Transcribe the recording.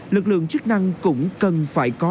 lực lượng chức năng cũng cần phải có